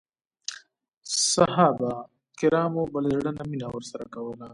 صحابه کرامو به له زړه نه مینه ورسره کوله.